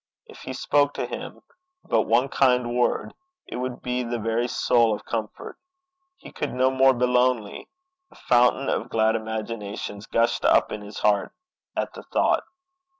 If he spoke to him but one kind word, it would be the very soul of comfort; he could no more be lonely. A fountain of glad imaginations gushed up in his heart at the thought.